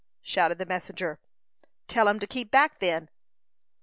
shouted the messenger. "Tell 'em to keep back, then."